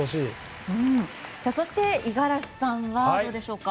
そして、五十嵐さんはどうでしょうか？